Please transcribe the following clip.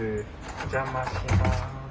お邪魔します。